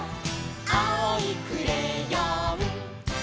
「あおいクレヨン」